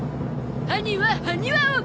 歯にはハニワを！